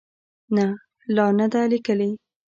نه، لا نه ده لیکلې